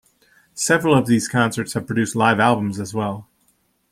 Several of these concerts have produced live albums as well.